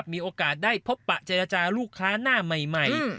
มีโอกาสได้พบปะเจรจาลูกค้าหน้าใหม่